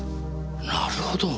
なるほど。